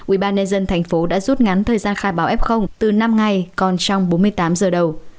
ubnd tp đã rút ngắn thời gian khai báo f từ năm ngày còn trong bốn mươi tám giờ đầu